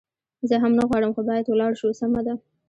زه هم نه غواړم، خو باید ولاړ شو، سمه ده.